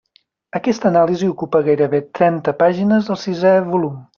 Aquesta anàlisi ocupa gairebé trenta pàgines del sisè volum.